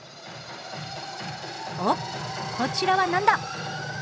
おっこちらは何だ！？